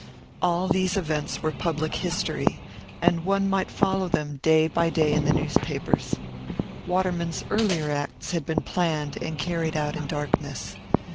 All these events were public history, and one might follow them day by day in the newspapers. Waterman's earlier acts had been planned and carried out in darkness.